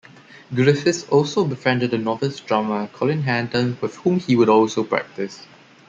Griffiths also befriended a novice drummer, Colin Hanton, with whom he would also practice.